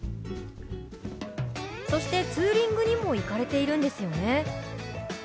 そしてツーリングにも行かれているんですよね？